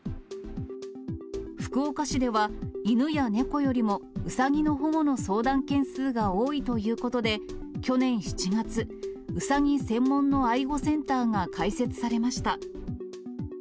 福岡市では、犬や猫よりもうさぎの保護の相談件数が多いということで、去年７月、うさぎ専門の愛護センターが開設されました。